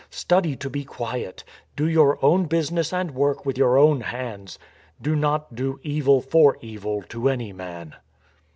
Study to be quiet. Do your own business and work with your own hands. ... Do not do evil for evil to any man."